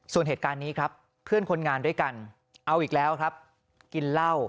ส่วนเหตุการณ์นี้ครับเพื่อนคนงานด้วยกันเอาอีกแล้วครับกินเหล้า